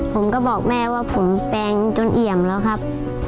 ผมก็บอกแม่ว่าผมแปลงจนเอี่ยมแล้วครับ